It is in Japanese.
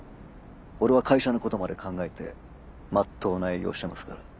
俺は会社のことまで考えてまっとうな営業をしてますから。